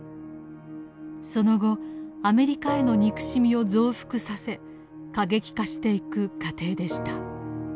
その後アメリカへの憎しみを増幅させ過激化していく過程でした。